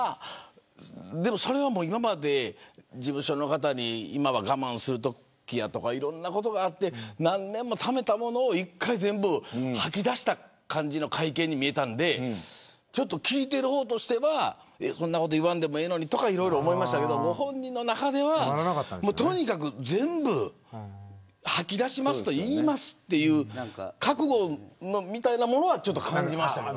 それでも今まで事務所の方に今は我慢するときだとかいろんなことがあって何年もためたものを１回全部吐き出した感じの会見に見えたんで聞いている方としてはそんなこと言わんでもええのにと思いましたが本人の中ではとにかく全部吐き出します言いますという覚悟みたいなものは感じました。